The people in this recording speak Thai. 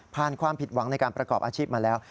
ความผิดหวังในการประกอบอาชีพมาแล้ว